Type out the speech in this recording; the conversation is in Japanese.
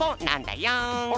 なんだよ。